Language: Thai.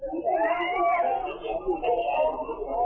สุภาพ